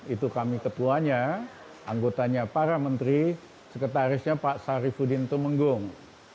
itu kami ketuanya anggotanya para menteri sekretarisnya pak sarifudin tumenggung